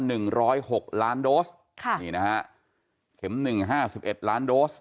หนึ่งร้อยหกล้านโดสค่ะนี่นะฮะเข็มหนึ่งห้าสิบเอ็ดล้านโดส